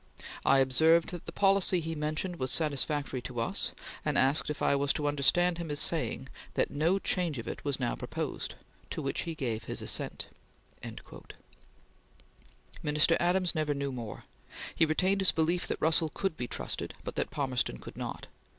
I observed that the policy he mentioned was satisfactory to us, and asked if I was to understand him as saying that no change of it was now proposed. To which he gave his assent.... Minister Adams never knew more. He retained his belief that Russell could be trusted, but that Palmerston could not.